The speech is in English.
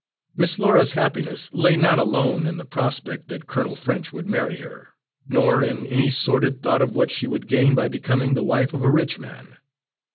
Miss Laura's happiness lay not alone in the prospect that Colonel French would marry her, nor in any sordid thought of what she would gain by becoming the wife of a rich man.